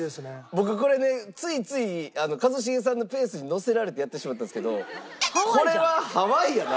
僕これねついつい一茂さんのペースに乗せられてやってしまったんですけどこれはハワイやな。